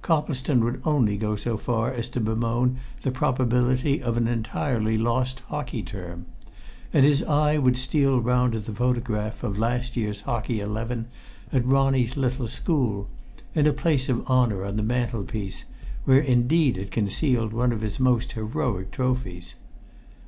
Coplestone would only go so far as to bemoan the probability of an entirely lost hockey term, and his eye would steal round to the photograph of last year's hockey eleven at Ronnie's little school, in a place of honour on the mantelpiece, where indeed it concealed one of his own most heroic trophies.